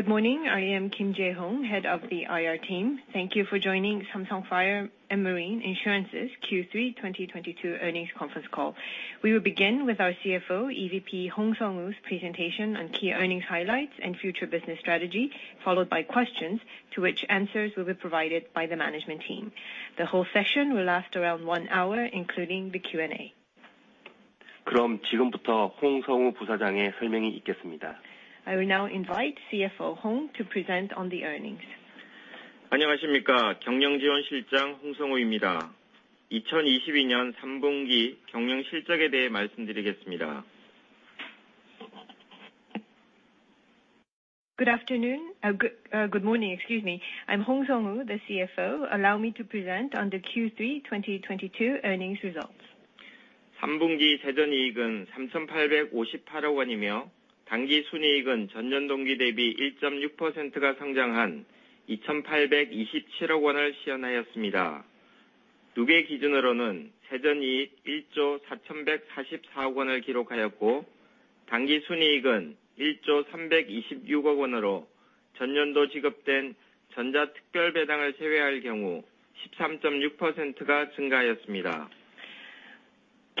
Good morning. I am Kim Jae-Hong, head of the IR team. Thank you for joining Samsung Fire & Marine Insurance's Q3 2022 earnings conference call. We will begin with our CFO, EVP Hong Seong-Woo's presentation on key earnings highlights and future business strategy, followed by questions to which answers will be provided by the management team. The whole session will last around one hour, including the Q&A. I will now invite CFO Hong to present on the earnings. Good afternoon. Good morning, excuse me. I'm Hong Seong-Woo, the CFO. Allow me to present on the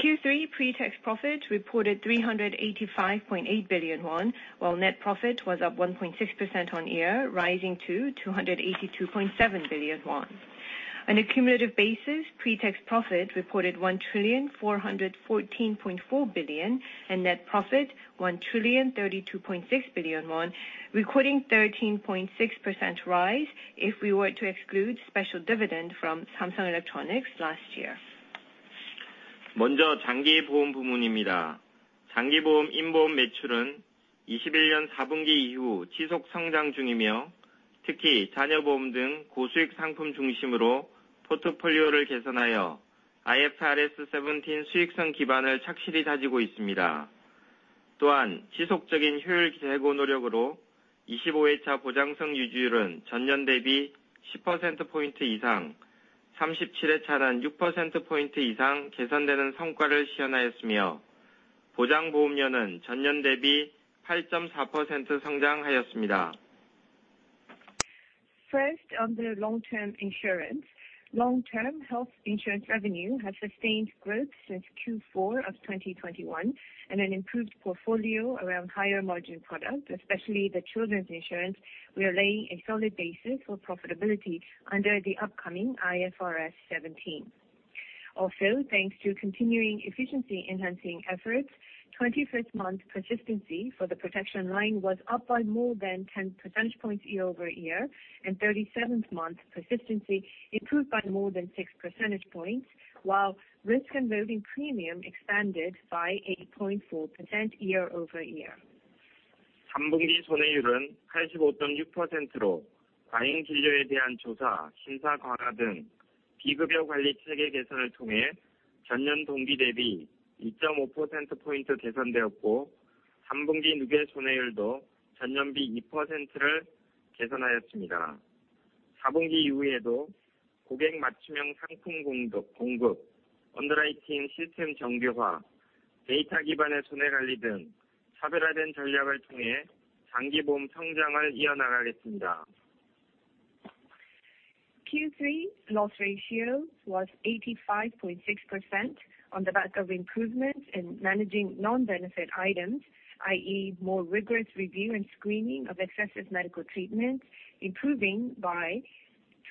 Q3 2022 earnings results. Q3 pre-tax profit reported 385.8 billion won, while net profit was up 1.6% on-year, rising to 282.7 billion won. On a cumulative basis, pre-tax profit reported 1,414.4 billion, and net profit 1,032.6 billion won, recording 13.6% rise if we were to exclude special dividend from Samsung Electronics last year. First, on the long-term insurance, long-term health insurance revenue has sustained growth since Q4 of 2021, and an improved portfolio around higher margin products, especially the children's insurance. We are laying a solid basis for profitability under the upcoming IFRS 17. Also, thanks to continuing efficiency-enhancing efforts, 21st-month persistency for the protection line was up by more than 10 percentage points year-over-year, and 37th-month persistency improved by more than 6 percentage points, while risk and moving premium expanded by 8.4% year-over-year. Q3 loss ratio was 85.6% on the back of improvements in managing non-benefit items, i.e., more rigorous review and screening of excessive medical treatments, improving by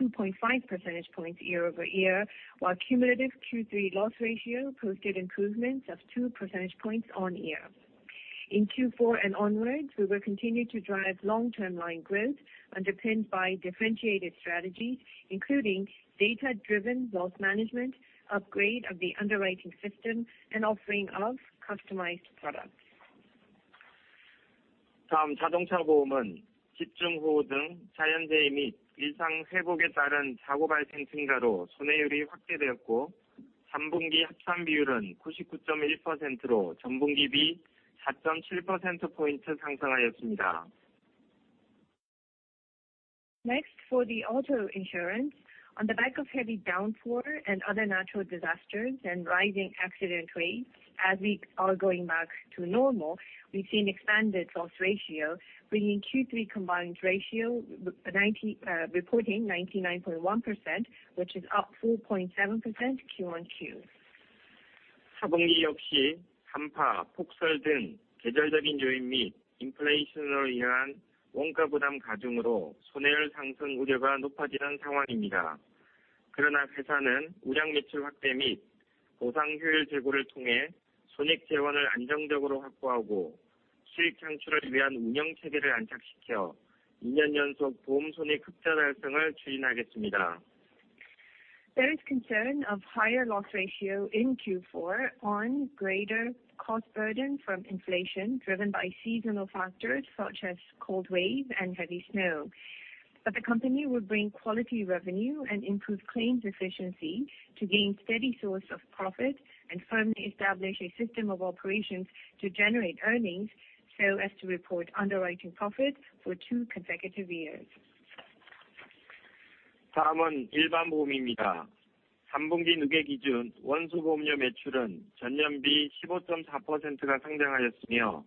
2.5 percentage points year-over-year, while cumulative Q3 loss ratio posted improvements of 2 percentage points year-on-year. In Q4 and onwards, we will continue to drive long-term line growth underpinned by differentiated strategies, including data-driven loss management, upgrade of the underwriting system, and offering of customized products. Next, for the auto insurance, on the back of heavy downpour and other natural disasters and rising accident rates as we are going back to normal, we've seen expanded loss ratio, bringing Q3 combined ratio to 99.1%, which is up 4.7 percentage points year-over-year. There is concern of higher loss ratio in Q4 on greater cost burden from inflation driven by seasonal factors such as cold wave and heavy snow. The company will bring quality revenue and improve claims efficiency to gain steady source of profit and firmly establish a system of operations to generate earnings so as to report underwriting profit for two consecutive years. 다음은 일반보험입니다. 3분기 누계 기준 원수보험료 매출은 전년 比 15.4%가 성장하였으며,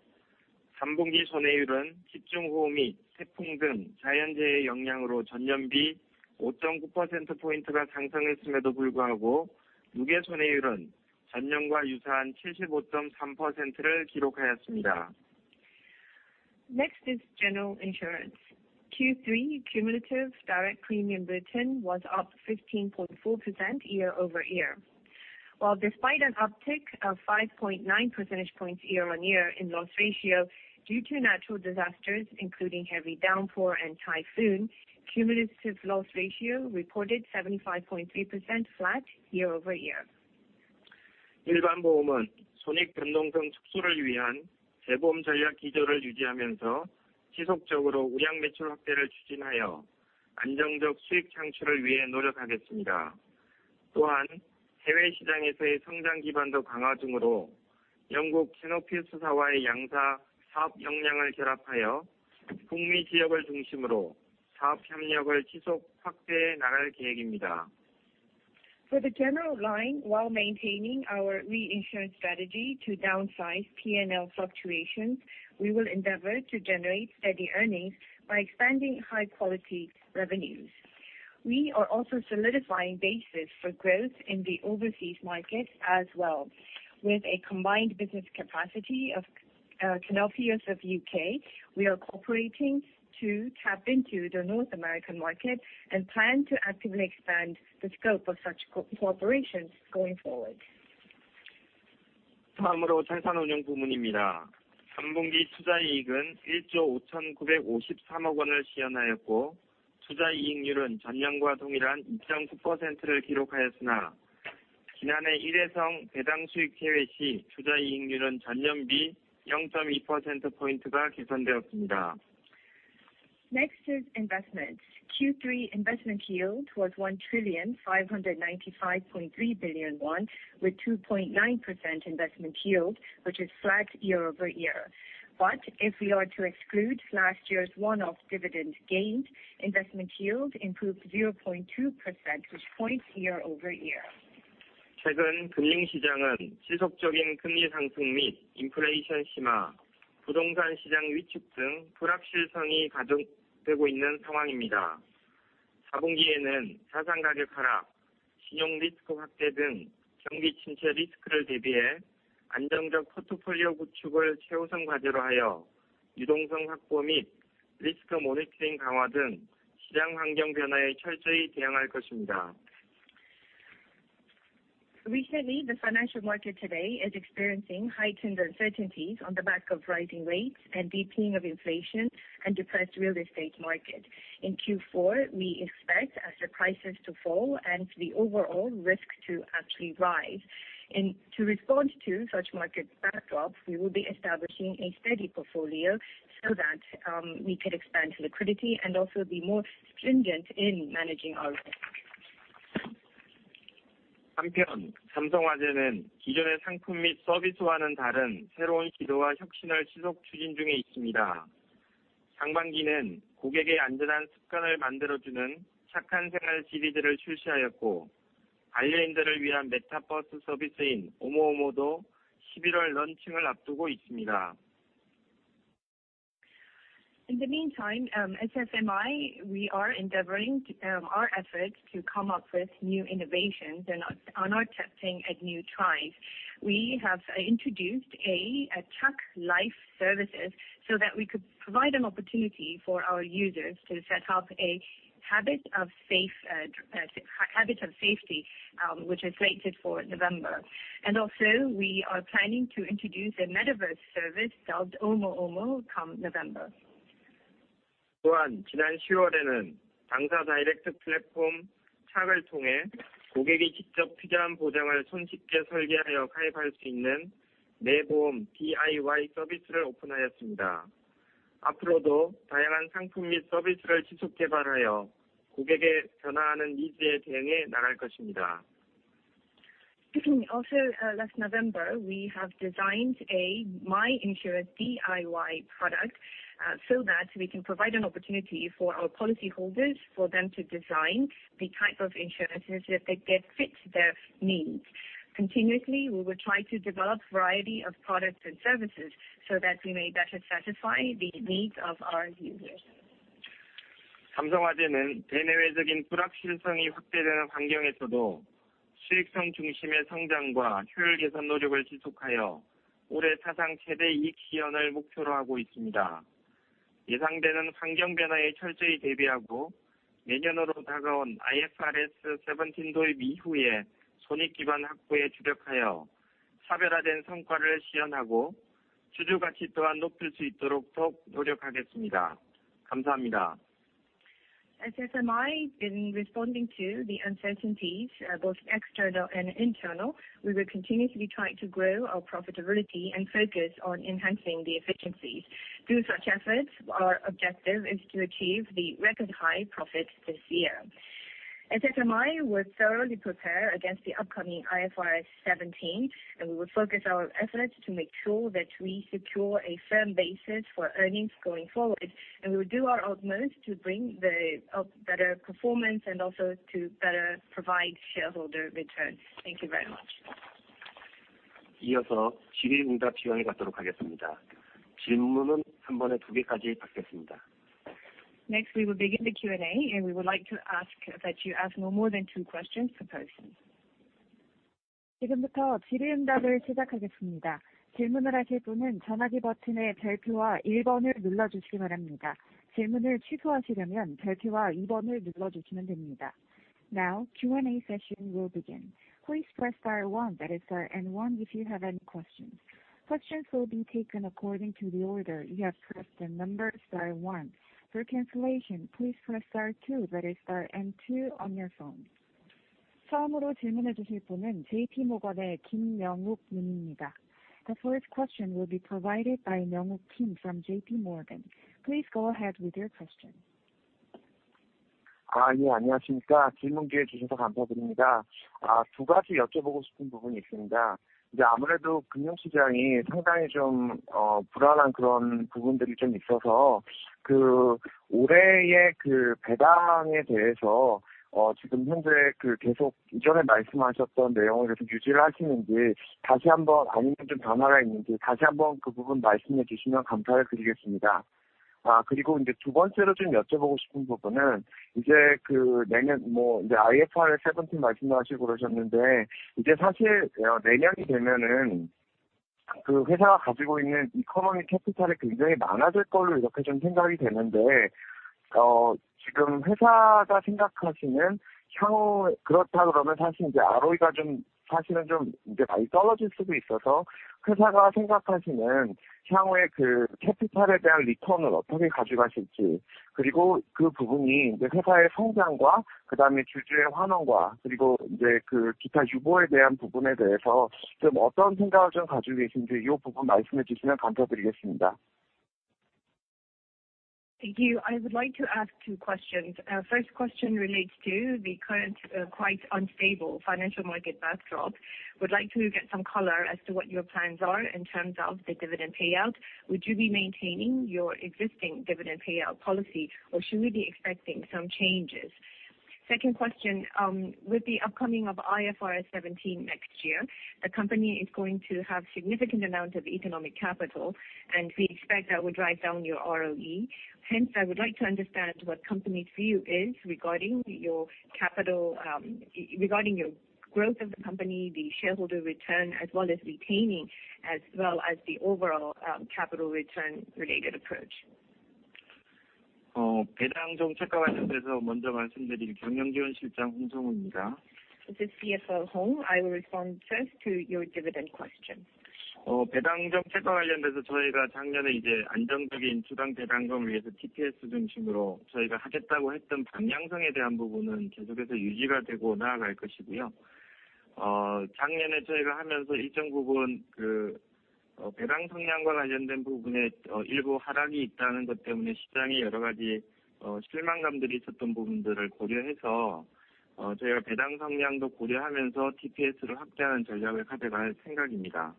3분기 손해율은 집중호우 및 태풍 등 자연재해의 영향으로 전년 比 5.9%포인트가 상승했음에도 불구하고 누계 손해율은 전년과 유사한 75.3%를 기록하였습니다. Next is general insurance. Q3 cumulative direct premium written was up 15.4% year-over-year. While, despite an uptick of 5.9 percentage points year-over-year in loss ratio due to natural disasters, including heavy downpour and typhoon, cumulative loss ratio reported 75.3% flat year-over-year. 일반보험은 손익 변동성 축소를 위한 재보험 전략 기조를 유지하면서 지속적으로 우량 매출 확대를 추진하여 안정적 수익 창출을 위해 노력하겠습니다. 또한 해외 시장에서의 성장 기반도 강화 등으로 영국 캐노피우스 사와의 양사 사업 역량을 결합하여 북미 지역을 중심으로 사업 협력을 지속 확대해 나갈 계획입니다. For the general line, while maintaining our reinsurance strategy to downsize P&L fluctuations, we will endeavor to generate steady earnings by expanding high quality revenues. We are also solidifying basis for growth in the overseas market as well. With a combined business capacity of Canopius of U.K., we are cooperating to tap into the North American market and plan to actively expand the scope of such cooperations going forward. 다음으로 자산운용 부문입니다. 3분기 투자이익은 1조 5,953억 원을 시현하였고, 투자이익률은 전년과 동일한 2.9%를 기록하였으나 지난해 일회성 배당수익 제외 시 투자이익률은 전년 比 0.2%포인트가 개선되었습니다. Next is investments. Q3 investment yield was 1,595.3 billion won with 2.9% investment yield, which is flat year-over-year. If we are to exclude last year's one-off dividend gains, investment yield improved 0.2 percentage points year-over-year. 최근 금융시장은 지속적인 금리 상승 및 인플레이션 심화, 부동산 시장 위축 등 불확실성이 가중되고 있는 상황입니다. 4분기에는 자산 가격 하락, 신용 리스크 확대 등 경기 침체 리스크를 대비해 안정적 포트폴리오 구축을 최우선 과제로 하여 유동성 확보 및 리스크 모니터링 강화 등 시장 환경 변화에 철저히 대응할 것입니다. Recently, the financial market today is experiencing heightened uncertainties on the back of rising rates and deepening of inflation and depressed real estate market. In Q4, we expect asset prices to fall and the overall risk to actually rise. To respond to such market backdrops, we will be establishing a steady portfolio so that we could expand liquidity and also be more stringent in managing our risk. 한편, 삼성화재는 기존의 상품 및 서비스와는 다른 새로운 기도와 혁신을 지속 추진 중에 있습니다. 상반기는 고객의 안전한 습관을 만들어주는 착한 생활 시리즈를 출시하였고, 반려인들을 위한 메타버스 서비스인 O모O모도 11월 런칭을 앞두고 있습니다. In the meantime, at SFMI, we are endeavoring our efforts to come up with new innovations and on our testing at new tries. We have introduced Chakhan Saenghwal services so that we could provide an opportunity for our users to set up a habit of safety, which is slated for November. Also, we are planning to introduce a Metaverse service called Omo Omo come November. 또한 지난 10월에는 당사 다이렉트 플랫폼 착을 통해 고객이 직접 필요한 보장을 손쉽게 설계하여 가입할 수 있는 내 보험 DIY 서비스를 오픈하였습니다. 앞으로도 다양한 상품 및 서비스를 지속 개발하여 고객의 변화하는 니즈에 대응해 나갈 것입니다. Also, last November, we have designed a My Insurance DIY product, so that we can provide an opportunity for our policy holders for them to design the type of insurances that fit their needs. Continuously, we will try to develop variety of products and services so that we may better satisfy the needs of our users. 삼성화재는 대내외적인 불확실성이 확대되는 환경에서도 수익성 중심의 성장과 효율 개선 노력을 지속하여 올해 사상 최대 이익 시현을 목표로 하고 있습니다. 예상되는 환경 변화에 철저히 대비하고 내년으로 다가온 IFRS 17 도입 이후에 손익 기반 확보에 주력하여 차별화된 성과를 시현하고 주주가치 또한 높일 수 있도록 더욱 노력하겠습니다. 감사합니다. SFMI, in responding to the uncertainties, both external and internal, we will continuously try to grow our profitability and focus on enhancing the efficiencies. Through such efforts, our objective is to achieve the record high profit this year. SFMI will thoroughly prepare against the upcoming IFRS 17, and we will focus our efforts to make sure that we secure a firm basis for earnings going forward, and we will do our utmost to bring the better performance and also to better provide shareholder returns. Thank you very much. 이어서 질의 응답 진행하도록 하겠습니다. 질문은 한 번에 두 개까지 받겠습니다. Next, we will begin the Q&A, and we would like to ask that you ask no more than two questions per person. 지금부터 질의 응답을 시작하겠습니다. 질문을 하실 분은 전화기 버튼의 별표와 일 번을 눌러주시기 바랍니다. 질문을 취소하시려면 별표와 이 번을 눌러주시면 됩니다. Now Q&A session will begin. Please press star one, that is star and one, if you have any questions. Questions will be taken according to the order you have pressed the number star one. For cancellation, please press star two, that is star and two on your phone. 처음으로 질문해 주실 분은 JP Morgan의 Youngook Kim 님입니다. The first question will be provided by Youngook Kim from JP Morgan. Please go ahead with your question. 안녕하십니까? 질문 기회 주셔서 감사드립니다. 두 가지 여쭤보고 싶은 부분이 있습니다. 아무래도 금융시장이 상당히 불안한 부분들이 있어서, 올해의 배당에 대해서 지금 현재 이전에 말씀하셨던 내용을 계속 유지를 하시는지, 아니면 변화가 있는지 다시 한번 말씀해 주시면 감사드리겠습니다. 두 번째로 여쭤보고 싶은 부분은, 내년에 IFRS 17 말씀하셨는데, 내년이 되면 회사가 가지고 있는 이코노미 캐피탈이 굉장히 많아질 것으로 생각이 되는데, 지금 회사가 생각하시는 향후 ROE가 많이 떨어질 수도 있어서, 회사가 생각하시는 향후 캐피탈에 대한 리턴을 어떻게 가져가실지, 그리고 그 부분이 회사의 성장과 주주의 환원, 그리고 기타 유보에 대한 부분에 대해서 어떤 생각을 가지고 계신지 말씀해 주시면 감사드리겠습니다. Thank you. I would like to ask two questions. Our first question relates to the current, quite unstable financial market backdrop. Would like to get some color as to what your plans are in terms of the dividend payout. Would you be maintaining your existing dividend payout policy, or should we be expecting some changes? Second question, with the upcoming of IFRS 17 next year, the company is going to have significant amount of economic capital, and we expect that would drive down your ROE. Hence, I would like to understand what company's view is regarding your capital, regarding your growth of the company, the shareholder return, as well as retaining, as well as the overall, capital return related approach. 배당 정책과 관련해서 먼저 말씀드릴 경영지원실장 홍성우입니다. This is CFO Hong. I will respond first to your dividend question. 배당 정책과 관련돼서 저희가 작년에 안정적인 주당 배당금을 위해서 DPS 중심으로 저희가 하겠다고 했던 방향성에 대한 부분은 계속해서 유지가 되고 나아갈 것이고요. 작년에 저희가 하면서 일정 부분 그 배당 성향과 관련된 부분에 일부 하락이 있다는 것 때문에 시장이 여러 가지 실망감들이 있었던 부분들을 고려해서, 저희가 배당 성향도 고려하면서 DPS를 확대하는 전략을 가져갈 생각입니다.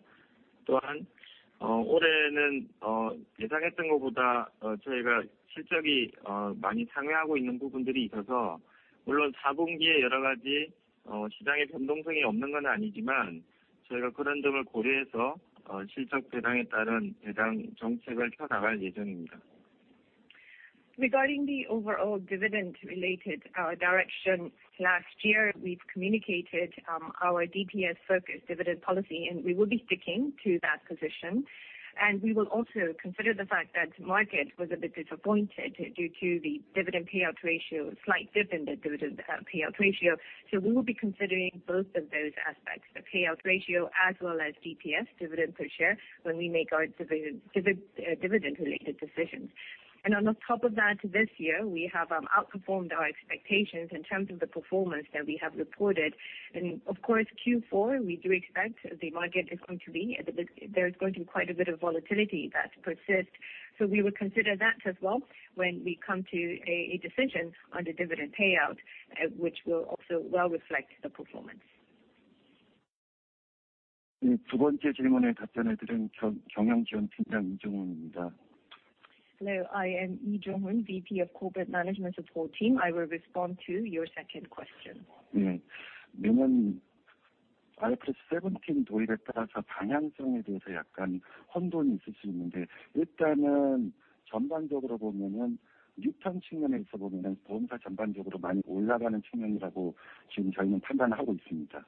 또한, 올해는 예상했던 것보다 저희가 실적이 많이 상회하고 있는 부분들이 있어서 물론 4분기에 여러 가지 시장의 변동성이 없는 건 아니지만, 저희가 그런 점을 고려해서 실적 배당에 따른 배당 정책을 펴 나갈 예정입니다. Regarding the overall dividend related direction last year, we've communicated our DPS focused dividend policy, and we will be sticking to that position. We will also consider the fact that market was a bit disappointed due to the slight dip in the dividend payout ratio. We will be considering both of those aspects, the payout ratio as well as DPS, dividend per share, when we make our dividend related decisions. On top of that, this year, we have outperformed our expectations in terms of the performance that we have reported. Of course, Q4, we do expect there's going to be quite a bit of volatility that persist. We will consider that as well when we come to a decision on the dividend payout, which will also well reflect the performance. 네, 두 번째 질문에 답변해 드린 경영지원팀장 이정훈입니다. Hello, I am Lee Junghoon, VP of Corporate Management Support Team. I will respond to your second question. 네, 내년 IFRS 17 도입에 따라서 방향성에 대해서 약간 혼돈이 있을 수 있는데, 일단은 전반적으로 보면 유통 측면에서 보면 보험사 전반적으로 많이 올라가는 측면이라고 지금 저희는 판단하고 있습니다.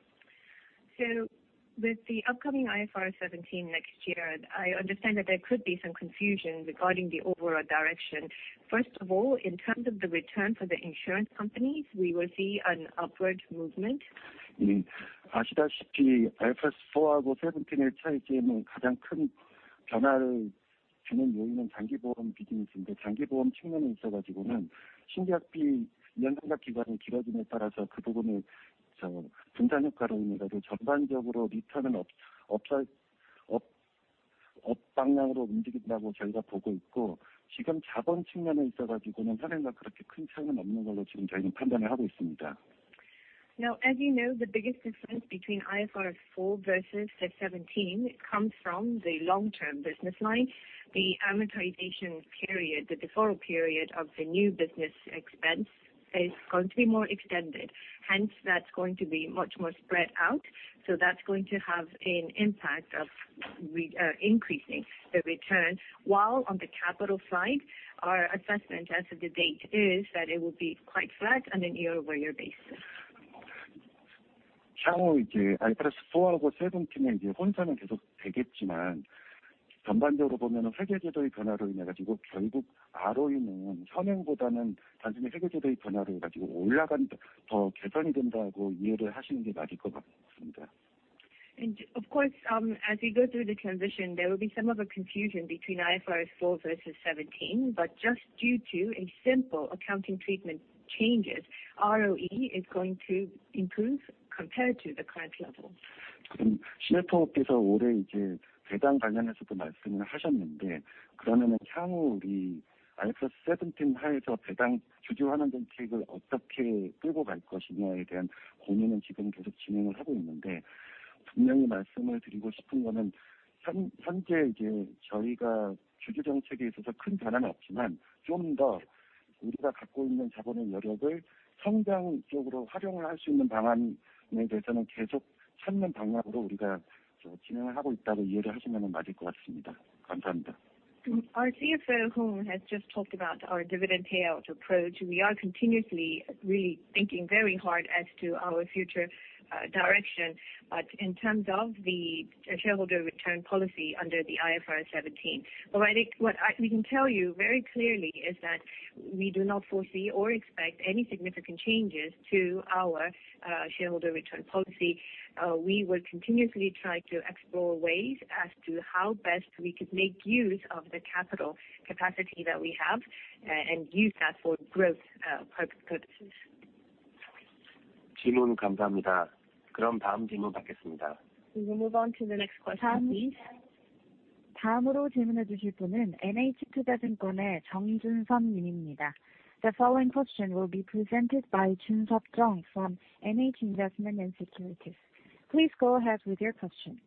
With the upcoming IFRS 17 next year, I understand that there could be some confusion regarding the overall direction. First of all, in terms of the return for the insurance companies, we will see an upward movement. 아시다시피 IFRS 4하고 17의 차이점은 가장 큰 변화를 주는 요인은 장기 보험 비즈니스인데, 장기 보험 측면에 있어서는 신계약비 인정 기간이 길어짐에 따라서 그 부분이 분산 효과로 인해서 전반적으로 리턴은 업 방향으로 움직인다고 저희가 보고 있고, 지금 자본 측면에 있어서는 현재와 그렇게 큰 차이는 없는 걸로 저희는 판단을 하고 있습니다. Now, as you know, the biggest difference between IFRS 4 versus the 17 comes from the long-term business line. The amortization period, the deferral period of the new business expense is going to be more extended. Hence, that's going to be much more spread out. That's going to have an impact of increasing the return. While on the capital side, our assessment as of the date is that it will be quite flat on a year-over-year basis. Of course, as we go through the transition, there will be some confusion between IFRS 4 versus 17, but just due to a simple accounting treatment changes, ROE is going to improve compared to the current level. Our CFO, who has just talked about our dividend payout approach, we are continuously really thinking very hard as to our future, direction. In terms of the shareholder return policy under the IFRS 17. I think we can tell you very clearly is that we do not foresee or expect any significant changes to our, shareholder return policy. We will continuously try to explore ways as to how best we could make use of the capital capacity that we have and use that for growth, purposes. We will move on to the next question, please. The following question will be presented by Jun-Sup Jung from NH Investment & Securities. Please go ahead with your question.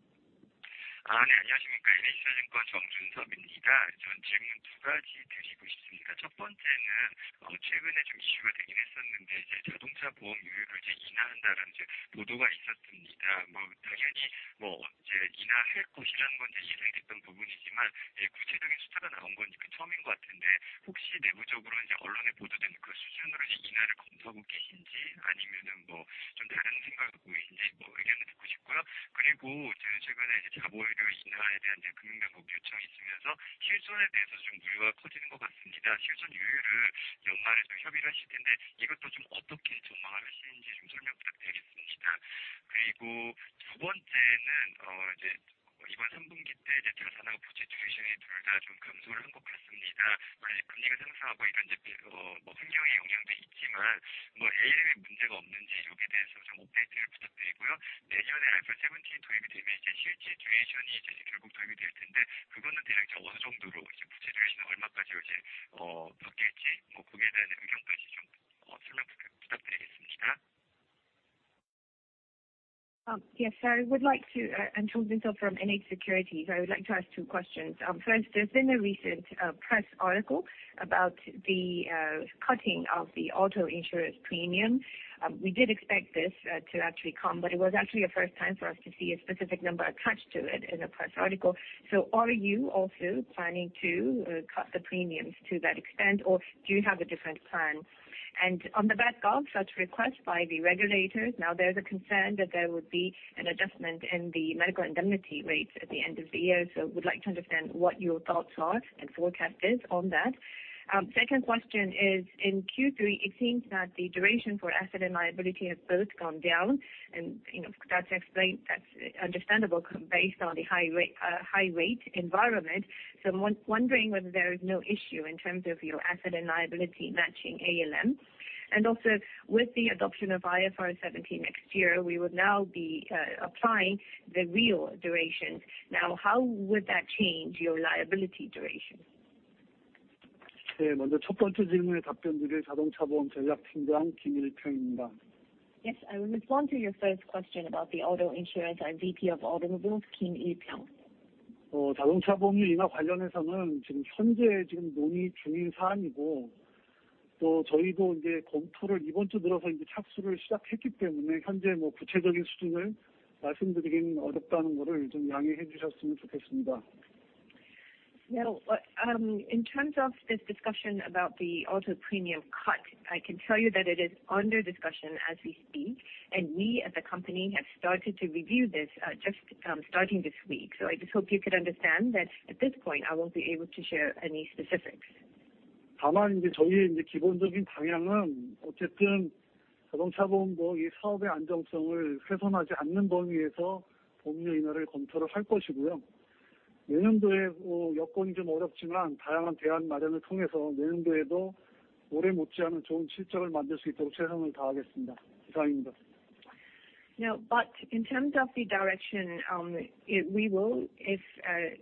Yes, I would like to. I'm Jun-sup Jung from NH Securities. I would like to ask two questions. First, there's been a recent press article about the cutting of the auto insurance premium. We did expect this to actually come, but it was actually a first time for us to see a specific number attached to it in a press article. Are you also planning to cut the premiums to that extent, or do you have a different plan? On the back of such request by the regulators, now there's a concern that there would be an adjustment in the medical indemnity rates at the end of the year. Would like to understand what your thoughts are and forecast is on that. Second question is, in Q3, it seems that the duration for asset and liability has both gone down. You know, that's explained, that's understandable based on the high rate environment. I'm wondering whether there is no issue in terms of your asset and liability matching ALM. Also with the adoption of IFRS 17 next year, we would now be applying the real durations. Now, how would that change your liability duration? Yes, I will respond to your first question about the auto insurance. I'm VP of Automobiles, Kim Il-pyeong. Now, in terms of this discussion about the auto premium cut, I can tell you that it is under discussion as we speak, and we as a company have started to review this, just starting this week. I just hope you could understand that at this point, I won't be able to share any specifics. Now, in terms of the direction,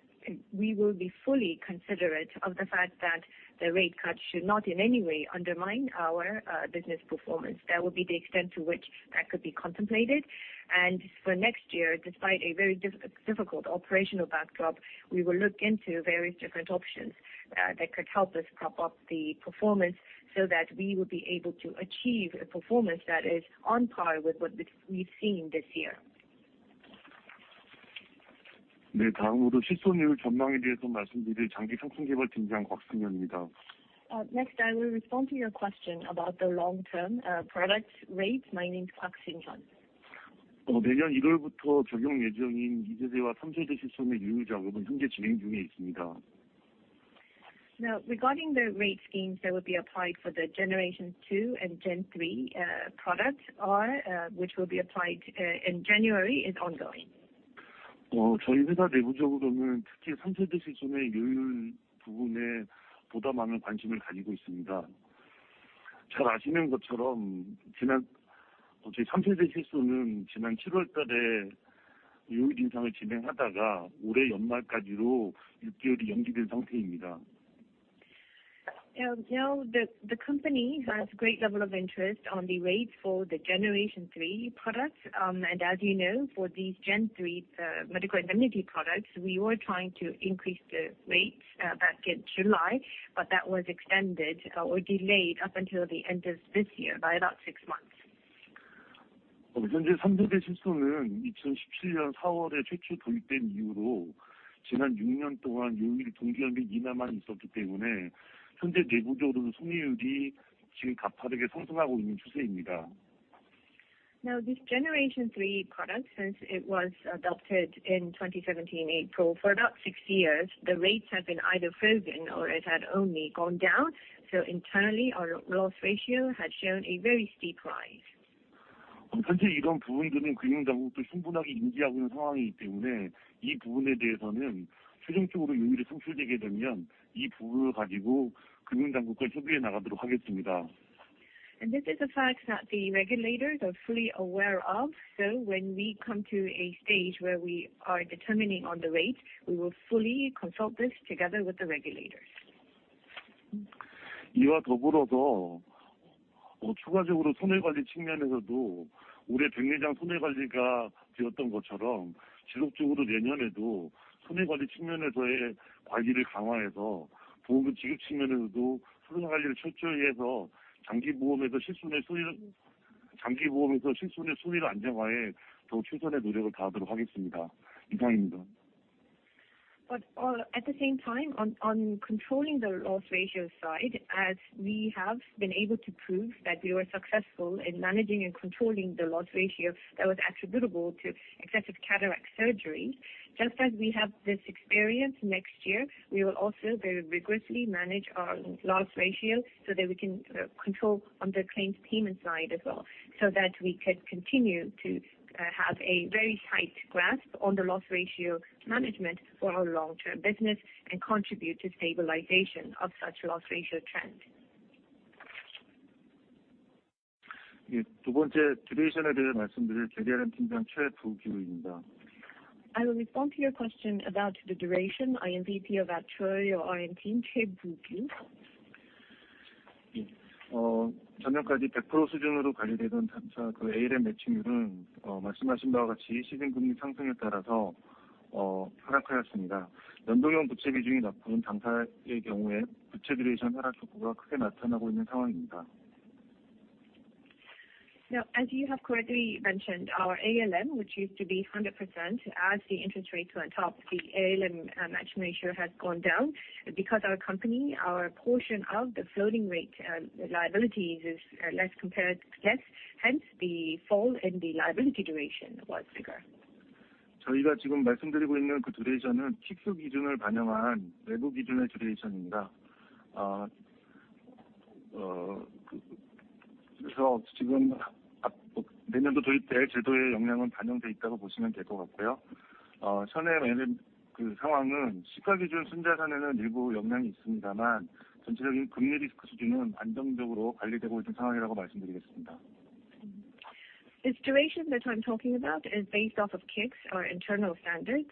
we will be fully considerate of the fact that the rate cut should not in any way undermine our business performance. That would be the extent to which that could be contemplated. For next year, despite a very difficult operational backdrop, we will look into various different options that could help us prop up the performance so that we will be able to achieve a performance that is on par with what we've seen this year. Next, I will respond to your question about the long-term products rates. My name is Park Shin-hyun. Now, regarding the rate schemes that will be applied for the Generation II and Generation III products, which will be applied in January, is ongoing. Now, the company has a great level of interest on the rates for the Generation III products. As you know, for these Generation III, medical indemnity products, we were trying to increase the rates back in July, have a very tight grasp on the loss ratio management for our long-term business and contribute to stabilization of such loss ratio trend. I will respond to your question about the duration. I am VP of Actuary R&D Team, Choi Bu-kyu. Now, as you have correctly mentioned, our ALM, which used to be 100% as the interest rates went up, the ALM matching ratio has gone down because our company, our portion of the floating rate liabilities is less compared to peers, hence the fall in the liability duration was bigger. This duration that I'm talking about is based off of KICS, our internal standards.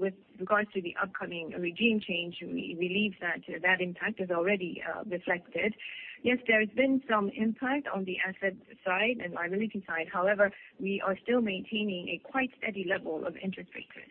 With regards to the upcoming regime change, we believe that that impact is already reflected. Yes, there has been some impact on the asset side and liability side. However, we are still maintaining a quite steady level of interest rate risk.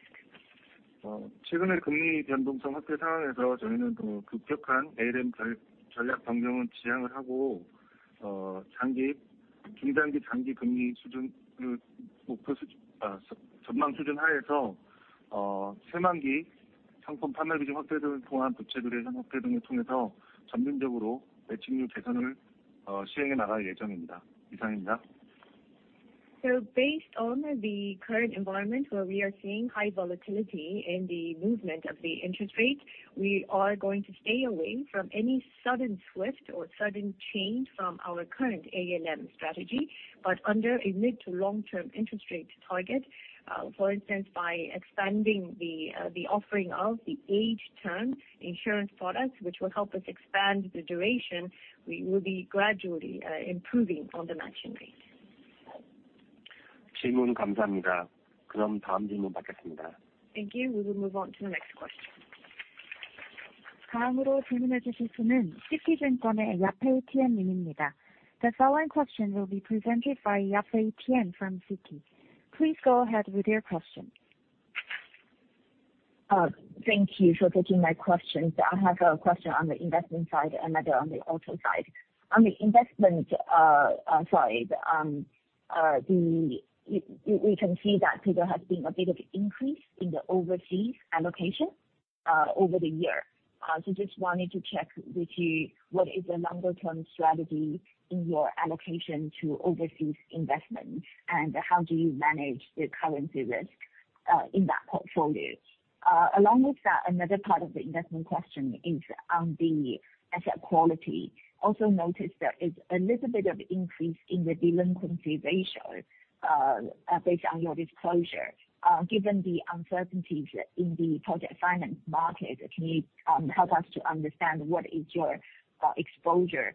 Based on the current environment where we are seeing high volatility in the movement of the interest rates, we are going to stay away from any sudden shift or sudden change from our current ALM strategy. Under a mid to long-term interest rate target, for instance, by expanding the offering of the age term insurance products, which will help us expand the duration, we will be gradually improving on the matching rate. Thank you. We will move on to the next question. The following question will be presented by Yafei Tian from Citi. Please go ahead with your question. Thank you for taking my questions. I have a question on the investment side, another on the auto side. On the investment side, you can see that there has been a bit of increase in the overseas allocation over the year. Just wanted to check with you, what is the longer term strategy in your allocation to overseas investment, and how do you manage the currency risk in that portfolio? Along with that, another part of the investment question is on the asset quality. Also noticed there is a little bit of increase in the delinquency ratio based on your disclosure. Given the uncertainties in the project finance market, can you help us to understand what is your exposure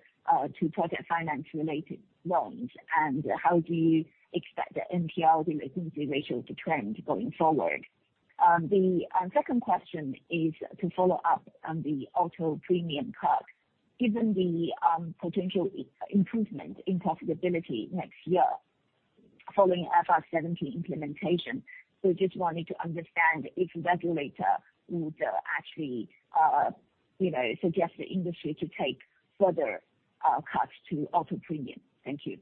to project finance related loans, and how do you expect the NPL delinquency ratio to trend going forward? The second question is to follow-up on the auto premium costs, given the potential improvement in profitability next year following IFRS 17 implementation. Just wanted to understand if the regulator would actually, you know, suggest the industry to take further cuts to auto premium. Thank you.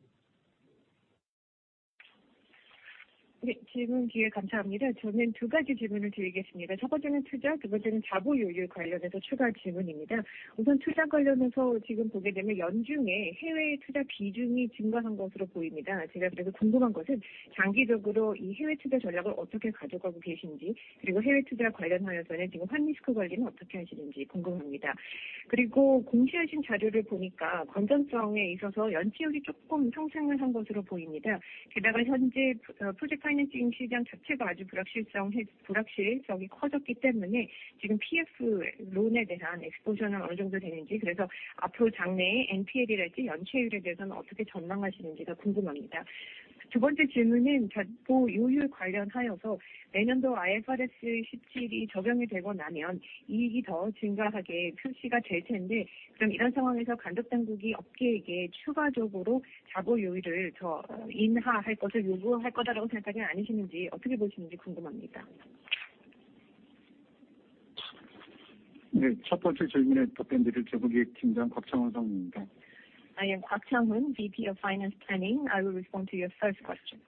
I am Kwak Chang-hoon, VP of finance planning. I will respond to your first question.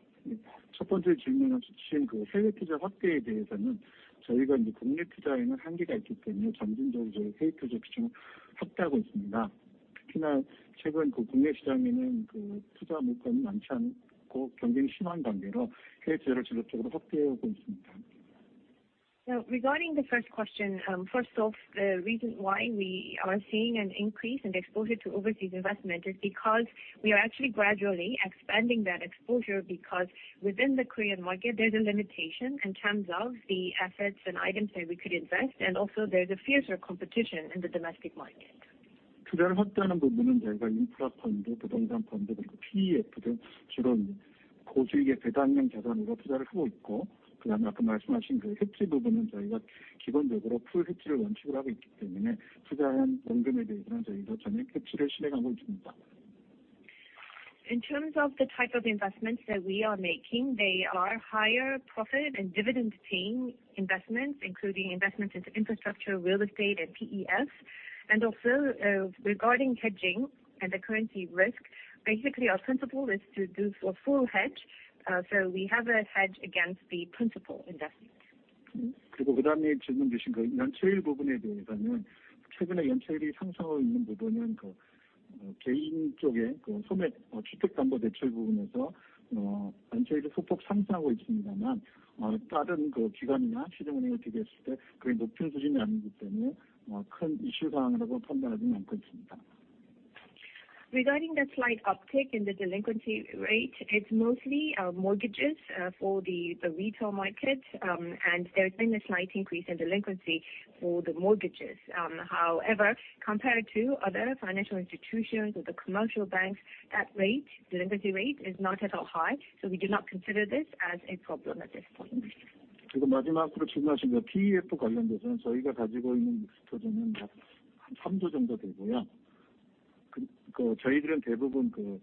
Regarding the first question, first off, the reason why we are seeing an increase in exposure to overseas investment is because we are actually gradually expanding that exposure because within the Korean market there's a limitation in terms of the assets and items that we could invest. Also, there's a fiercer competition in the domestic market. In terms of the type of investments that we are making, they are higher profit and dividend paying investments, including investments into infrastructure, real estate and PEFs. Regarding hedging and the currency risk, basically our principle is to do a full hedge. We have a hedge against the principal investments. Regarding the slight uptick in the delinquency rate, it's mostly mortgages for the retail market. There has been a slight increase in delinquency for the mortgages. However, compared to other financial institutions or the commercial banks, that rate, delinquency rate is not at all high, so we do not consider this as a problem at this point. Regarding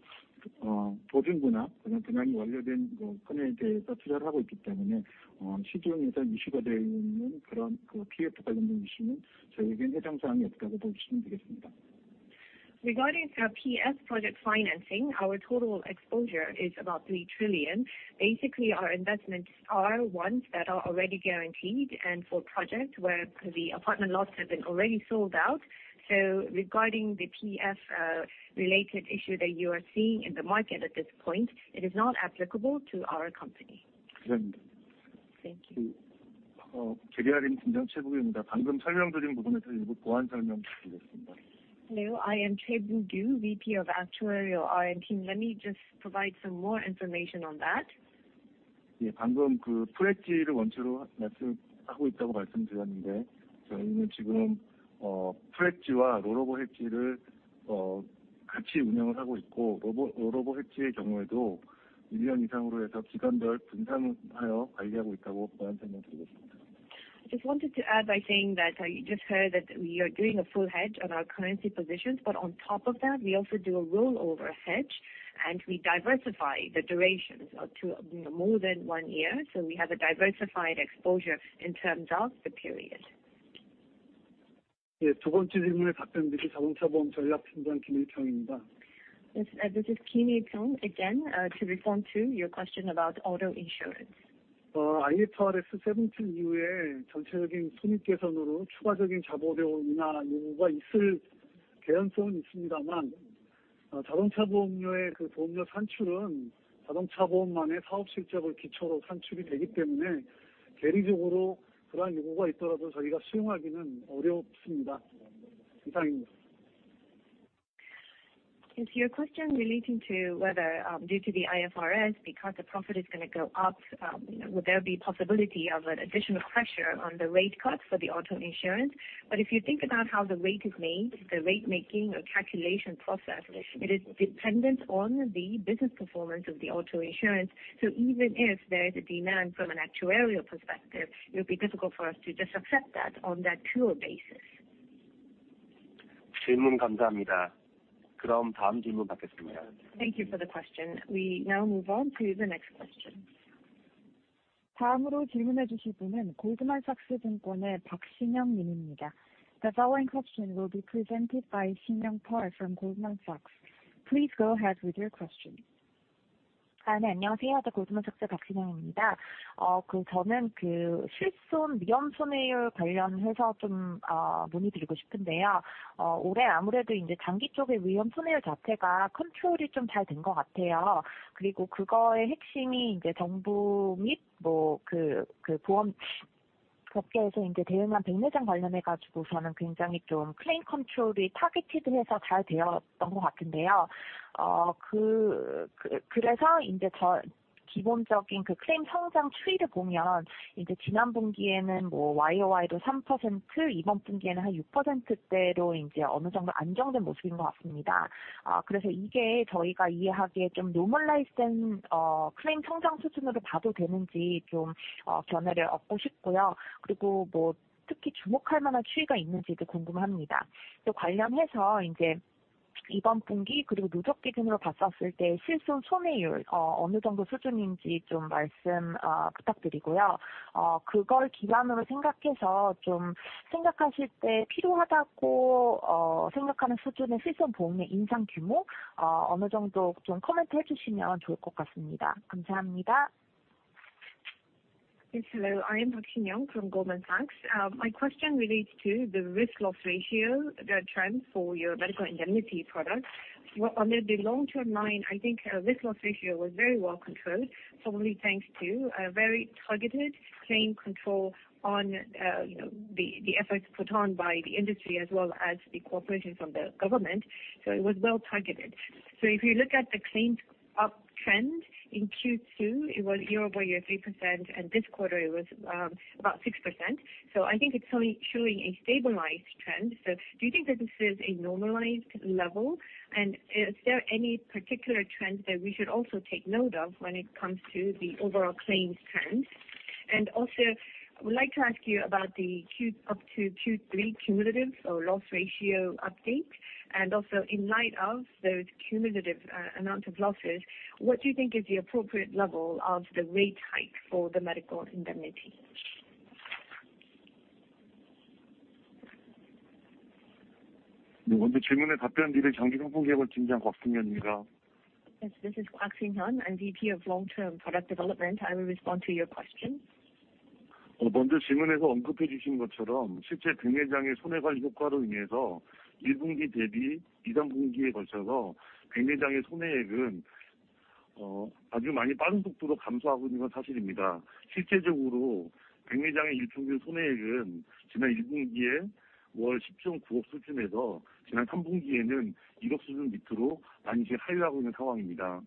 our PF project financing, our total exposure is about 3 trillion. Basically, our investments are ones that are already guaranteed and for projects where the apartment lots have been already sold out. Regarding the PF related issue that you are seeing in the market at this point, it is not applicable to our company. Thank you. Hello. I am Choi Bu-kyu, VP of Actuary R&D Team. Let me just provide some more information on that. 같이 운영을 하고 있고, 로보 헤지의 경우에도 일년 이상으로 해서 기간별 분산하여 관리하고 있다고 한번 설명드리겠습니다. I just wanted to add by saying that you just heard that we are doing a full hedge on our currency positions. On top of that, we also do a rollover hedge and we diversify the durations up to more than one year. We have a diversified exposure in terms of the period. 예, 두 번째 질문에 답변드릴 자동차보험 전략팀장 김일평입니다. Yes, this is Kim Il-pyeong. Again, to respond to your question about auto insurance. IFRS 17 이후에 전체적인 손익 개선으로 추가적인 자본 or 유인가 요구가 있을 개연성은 있습니다만, 자동차 보험료의 보험료 산출은 자동차 보험만의 사업 실적을 기초로 산출이 되기 때문에 개별적으로 그러한 요구가 있더라도 저희가 수용하기는 어렵습니다. 이상입니다. If your question relating to whether, due to the IFRS, because the profit is gonna go up, will there be possibility of an additional pressure on the rate cuts for the auto insurance? If you think about how the rate is made, the rate making or calculation process, it is dependent on the business performance of the auto insurance. Even if there is a demand from an actuarial perspective, it would be difficult for us to just accept that on that pure basis. 질문 감사합니다. 그럼 다음 질문 받겠습니다. Thank you for the question. We now move on to the next question. 다음으로 질문해 주실 분은 골드만 삭스 증권의 박신영 님입니다. The following question will be presented by Shin Young Park from Goldman Sachs. Please go ahead with your question. 네, 안녕하세요. 골드만 삭스 박신영입니다. 저는 silson 위험 손해율 관련해서 문의드리고 싶은데요. 올해 아무래도 이제 장기 쪽의 위험 손해율 자체가 컨트롤이 좀잘된것 같아요. 그리고 그거의 핵심이 이제 정부 및 보험 업계에서 이제 대응한 백내장 관련해서 저는 굉장히 클레임 컨트롤이 targeted 해서 잘 되었던 것 같은데요. 그래서 이제 기본적인 클레임 성장 추이를 보면 이제 지난 분기에는 YOY도 3%, 이번 분기에는 한 6%대로 이제 어느 정도 안정된 모습인 것 같습니다. 그래서 이게 저희가 이해하기에 좀 normalized된 클레임 성장 수준으로 봐도 되는지 견해를 얻고 싶고요. 그리고 특히 주목할 만한 추이가 있는지도 궁금합니다. 또 관련해서 이번 분기 그리고 누적 기준으로 봤을 때 silson 손해율이 어느 정도 수준인지 말씀 부탁드리고요. 그걸 기반으로 생각하실 때 필요하다고 생각하는 수준의 실손보험의 인상 규모, 어느 정도 comment 해 주시면 좋을 것 같습니다. 감사합니다. Yes, hello. I am Shin Young Park from Goldman Sachs. My question relates to the risk loss ratio, the trend for your medical indemnity products. Well, under the long-term line, I think risk loss ratio was very well controlled, probably thanks to a very targeted claim control on, you know, the efforts put on by the industry as well as the cooperation from the government. It was well targeted. If you look at the claims uptrend in Q2, it was year-over-year 3%, and this quarter it was about 6%. I think it's showing a stabilized trend. Do you think that this is a normalized level? Is there any particular trend that we should also take note of when it comes to the overall claims trends? I would like to ask you about the up to Q3 cumulative loss ratio update. In light of those cumulative amounts of losses, what do you think is the appropriate level of the rate hike for the medical indemnity? 네, 먼저 질문에 답변드릴 장기상품개발 팀장 곽승현입니다. Yes, this is Kwon Ki-soon. I'm VP of Long Term Product Development. I will respond to your question. 먼저 질문에서 언급해 주신 것처럼 실제 백내장의 손해 관리 효과로 인해서 1분기 대비 이상 분기에 걸쳐서 백내장의 손해액은 아주 빠른 속도로 감소하고 있는 건 사실입니다. 실질적으로 백내장의 일평균 손해액은 지난 1분기에 월 10.9억 수준에서 지난 3분기에는 1억 수준 밑으로 많이 지금 하락하고 있는 상황입니다.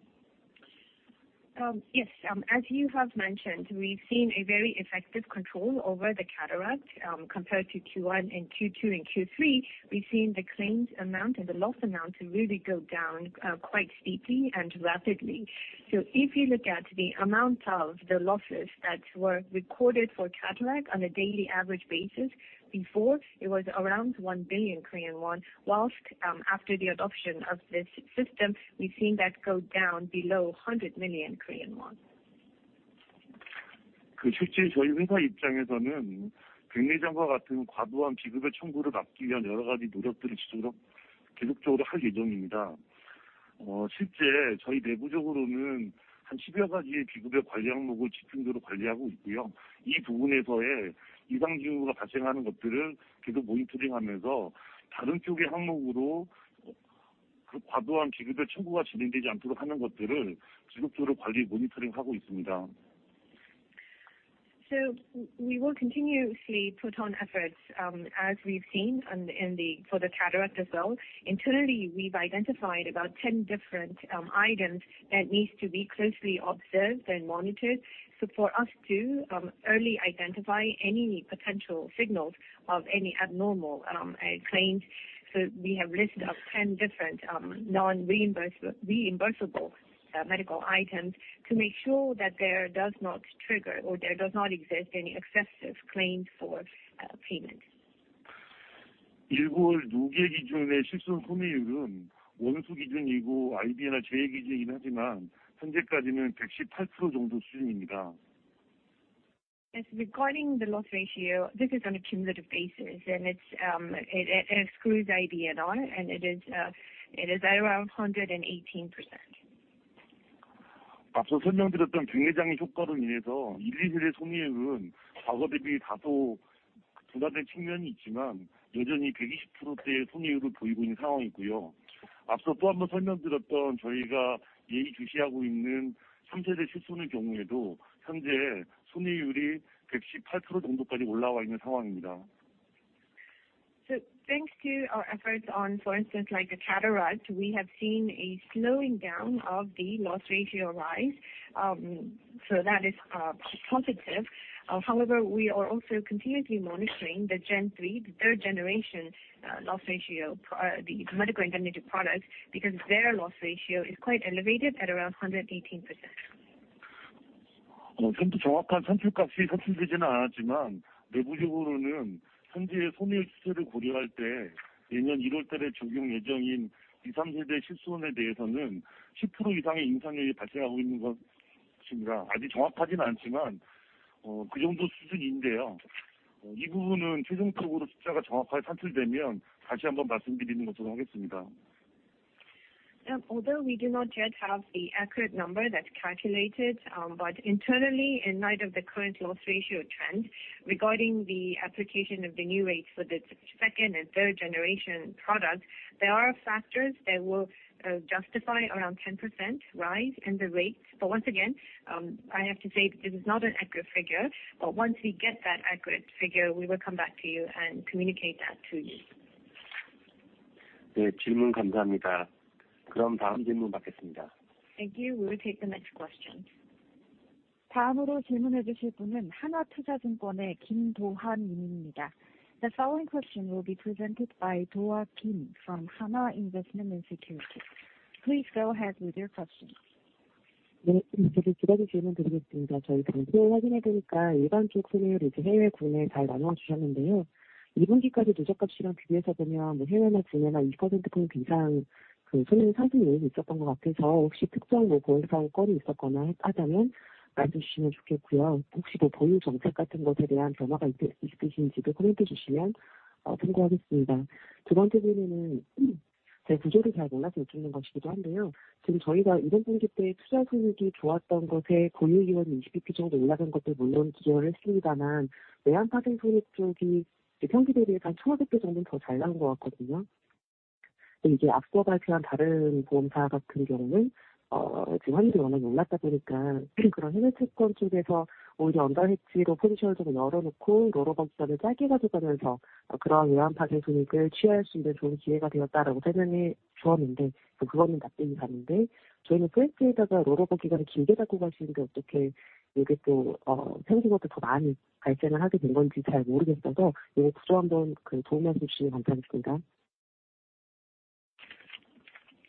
Yes. As you have mentioned, we've seen a very effective control over the cataract, compared to Q1 and Q2 and Q3. We've seen the claimed amount and the loss amount really go down, quite steeply and rapidly. If you look at the amount of the losses that were recorded for cataract on a daily average basis, before it was around 1 billion Korean won. While, after the adoption of this system, we've seen that go down below 100 million Korean won. 실질적으로 저희 회사 입장에서는 백내장과 같은 과도한 지급 청구를 막기 위한 여러 가지 노력들을 지속적으로 계속할 예정입니다. 실제 저희 내부적으로는 한 십여 가지의 지급 관리 항목을 집중적으로 관리하고 있고요. 이 부분에서의 이상 지급으로 발생하는 것들을 계속 모니터링하면서 다른 쪽의 항목으로 그 과도한 지급 청구가 진행되지 않도록 하는 것들을 지속적으로 관리 모니터링하고 있습니다. We will continuously put on efforts as we've seen for the cataract as well. Internally, we've identified about 10 different items that needs to be closely observed and monitored. For us to early identify any potential signals of any abnormal claims. We have listed up 10 different non-reimbursable medical items to make sure that there does not trigger or there does not exist any excessive claims for payment. Yes. Regarding the loss ratio, this is on a cumulative basis, and it excludes IBNR, and it is at around 118%. Thanks to our efforts on, for instance, like the cataracts, we have seen a slowing down of the loss ratio rise. That is positive. However, we are also continuously monitoring the Generation III, the third generation, loss ratio of the medical indemnity products because their loss ratio is quite elevated at around 118%. Although we do not yet have the accurate number that's calculated, but internally, in light of the current loss ratio trend regarding the application of the new rates for the Generation II and Generation III products, there are factors that will justify around 10% rise in the rates. Once again, I have to say this is not an accurate figure, but once we get that accurate figure, we will come back to you and communicate that to you. Thank you. We'll take the next question. The following question will be presented by Do Ha Kim from Hanwha Investment & Securities. Please go ahead with your questions.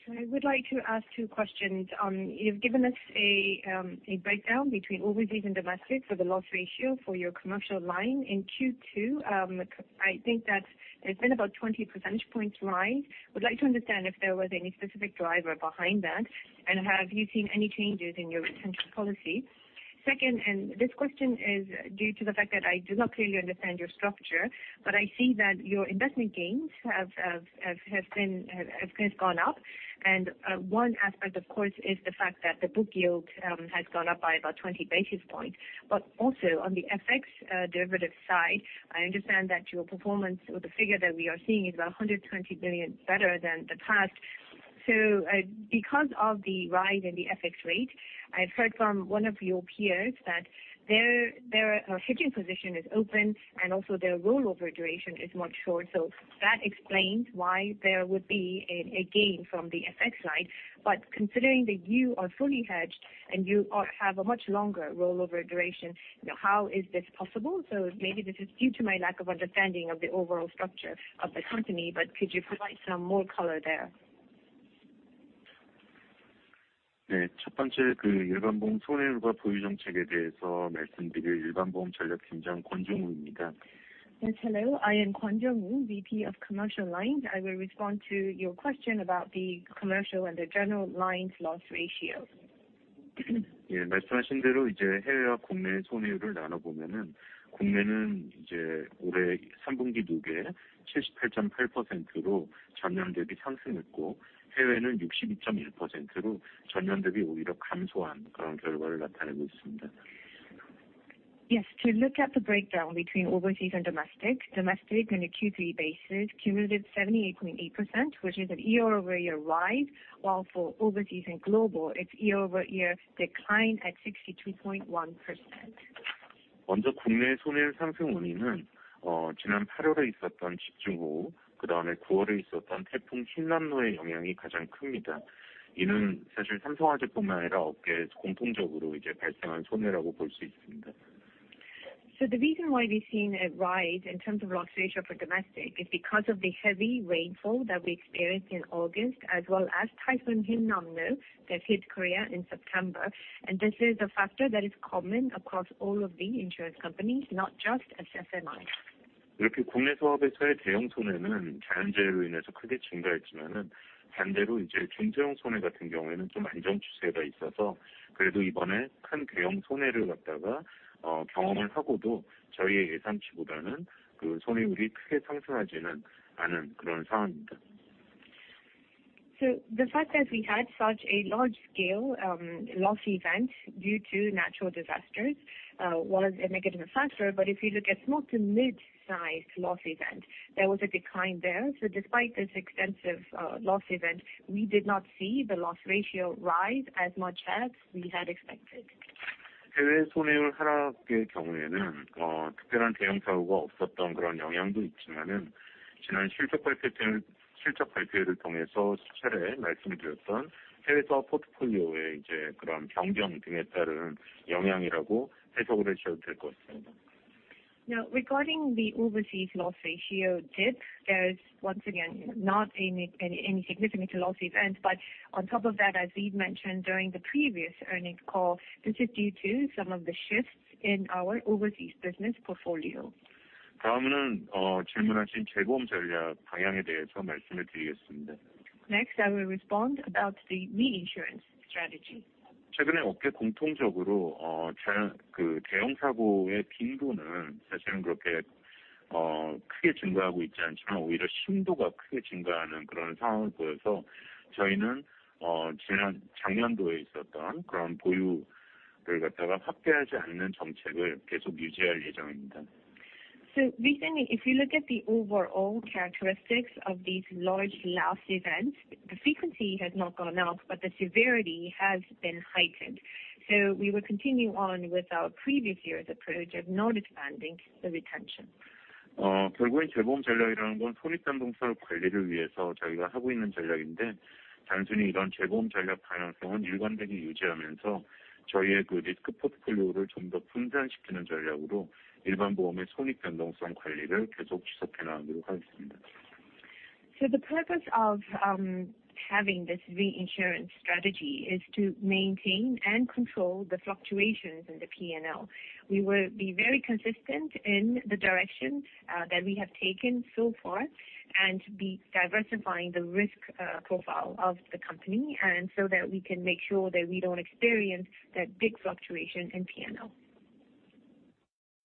I would like to ask two questions. You've given us a breakdown between overseas and domestic for the loss ratio for your commercial line in Q2. I think that it's been about 20 percentage points rise. Would like to understand if there was any specific driver behind that, and have you seen any changes in your retention policy? Second, this question is due to the fact that I do not clearly understand your structure, but I see that your investment gains have gone up. One aspect, of course, is the fact that the book yield has gone up by about 20 basis points. But also on the FX derivative side, I understand that your performance or the figure that we are seeing is about 120 million better than the past. Because of the rise in the FX rate, I've heard from one of your peers that their hedging position is open and also their rollover duration is much shorter. That explains why there would be a gain from the FX side. But considering that you are fully hedged and you have a much longer rollover duration, how is this possible? Maybe this is due to my lack of understanding of the overall structure of the company, but could you provide some more color there? Yes. Hello. I am Kwon Jungwoo, VP of Commercial Lines. I will respond to your question about the commercial and the general lines loss ratio. 먼저 국내 손해율 상승 원인은 지난 8월에 있었던 집중호우, 그다음에 9월에 있었던 태풍 힌남노의 영향이 가장 큽니다. 이는 사실 삼성화재뿐만 아니라 업계에서 공통적으로 이제 발생한 손해라고 볼수 있습니다. The reason why we've seen a rise in terms of loss ratio for domestic is because of the heavy rainfall that we experienced in August, as well as Typhoon Hinnamnor that hit Korea in September. This is a factor that is common across all of the insurance companies, not just SFMI. 이렇게 국내 사업에서의 대형 손해는 자연재해로 인해서 크게 증가했지만 반대로 중소형 손해 같은 경우에는 좀 안정 추세가 있어서, 그래도 이번에 큰 대형 손해를 경험하고도 저희의 예상치보다는 그 손해율이 크게 상승하지는 않은 그런 상황입니다. The fact that we had such a large scale, loss event due to natural disasters, was a negative factor. If you look at small to mid-sized loss event, there was a decline there. Despite this extensive, loss event, we did not see the loss ratio rise as much as we had expected. 해외 손해율 하락의 경우에는 특별한 대형 사고가 없었던 그런 영향도 있지만 지난 실적 발표 때 실적 발표회를 통해서 수차례 말씀드렸던 해외 사업 포트폴리오의 이제 그런 변경 등에 따른 영향이라고 해석을 해셔도 될것 같습니다. Now, regarding the overseas loss ratio dip, there is once again not any significant loss events. On top of that, as we've mentioned during the previous earnings call, this is due to some of the shifts in our overseas business portfolio. 다음은 질문하신 재보험 전략 방향에 대해서 말씀을 드리겠습니다. Next, I will respond about the reinsurance strategy. 최근에 업계 공통적으로 자연 대형 사고의 빈도는 사실은 그렇게 크게 증가하고 있지 않지만 오히려 심도가 크게 증가하는 그런 상황을 보여서 저희는 지난 작년도에 있었던 그런 보유를 갖다가 확대하지 않는 정책을 계속 유지할 예정입니다. Recently, if you look at the overall characteristics of these large loss events, the frequency has not gone up, but the severity has been heightened. We will continue on with our previous year's approach of not expanding the retention. 결국엔 재보험 전략이라는 건 손익 변동성 관리를 위해서 저희가 하고 있는 전략인데, 단순히 이런 재보험 전략 방향성은 일관되게 유지하면서 저희의 그 리스크 포트폴리오를 좀더 분산시키는 전략으로 일반 보험의 손익 변동성 관리를 계속 지속해 나가도록 하겠습니다. The purpose of having this reinsurance strategy is to maintain and control the fluctuations in the P&L. We will be very consistent in the direction that we have taken so far and be diversifying the risk profile of the company, and so that we can make sure that we don't experience that big fluctuation in P&L.